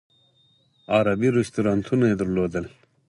عربي رستورانونه یې درلودل.